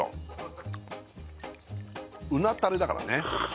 うなタレだからね